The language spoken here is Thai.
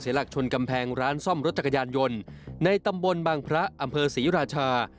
หลักชนกำแพงร้านซ่อมรถจักรยานยนต์ในตำบลบางพระอำเภอศรีราชา